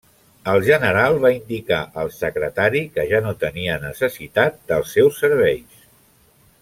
El general va indicar al secretari que ja no tenia necessitat dels seus serveis.